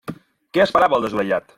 Què esperava el desorellat?